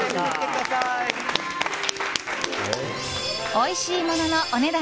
おいしいもののお値段